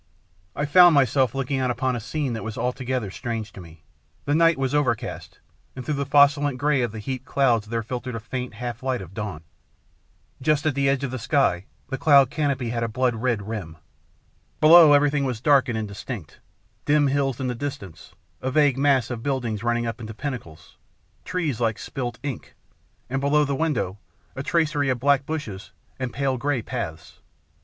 I found myself looking out upon a scene that was altogether strange to me. The night was overcast, and through the flocculent grey of the heaped clouds there filtered a faint half light of dawn. Just at the edge of the sky, the cloud canopy had a blood red rim. Below, everything was dark and indistinct, dim hills in the distance, a vague mass of buildings running up into pinnacles, trees like spilt ink, and below the window a tracery of black bushes and pale grey paths.